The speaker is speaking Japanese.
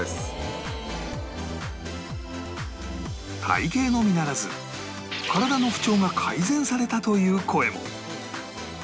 体形のみならず体の不調が改善されたという声も